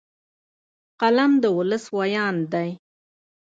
قلم د ولس ویاند دی